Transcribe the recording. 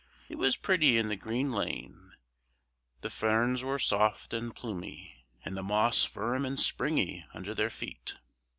It was pretty in the green lane. The ferns were soft and plumy, and the moss firm and springy under their feet.